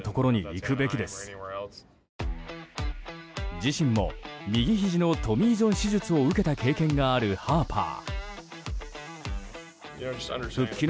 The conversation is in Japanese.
自身も右ひじのトミー・ジョン手術を受けた経験があるハーパー。